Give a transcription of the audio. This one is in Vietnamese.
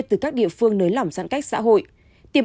từ các địa phương nới lỏng giãn cách xã hội